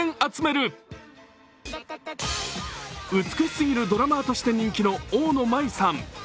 美しすぎるドラマーとして人気の大野真依さん。